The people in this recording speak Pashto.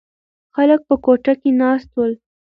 خلک په کوټه کې ناست ول.